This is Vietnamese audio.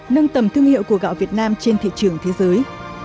nâng tầm thương hiệu của gạo việt nam trên thị trường thế giới